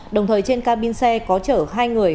đồng thời trên cabin xe có chở hai người